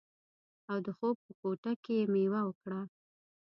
او د خوب په کوټه کې یې میوه وکړه